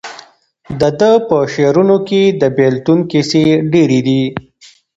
د ده په شعرونو کې د بېلتون کیسې ډېرې دي.